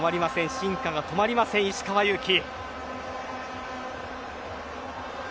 進化が止まりません、石川祐希。